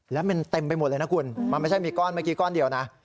แล้วมันเต็มไปหมดเลยนะคุณมันไม่ใช่มีก้อนเมื่อกี้ก้อนเดียวนะ